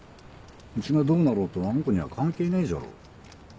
うちがどうなろうとあん子にゃ関係ねえじゃろ。